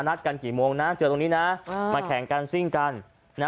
นัดกันกี่โมงนะเจอตรงนี้นะมาแข่งกันซิ่งกันนะ